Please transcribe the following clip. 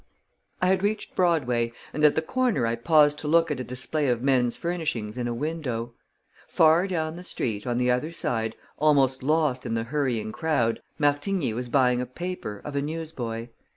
I had reached Broadway, and at the corner I paused to look at a display of men's furnishings in a window. Far down the street, on the other side, almost lost in the hurrying crowd, Martigny was buying a paper of a newsboy.